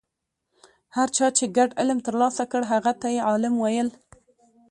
هر چا چې ګډ علم ترلاسه کړ هغه ته یې عالم ویل.